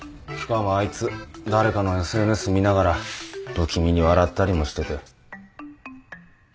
しかもあいつ誰かのＳＮＳ見ながら不気味に笑ったりもしてて。